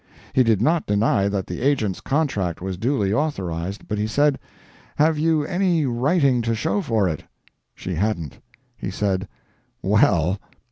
He did not deny that the agent's contract was duly authorized, but he said, "Have you any writing to show for it?" She hadn't. He said, "Well!"